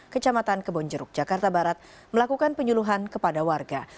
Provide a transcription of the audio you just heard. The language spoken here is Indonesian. kecamatan kebonjeruk jakarta barat melakukan penyuluhan kepada warga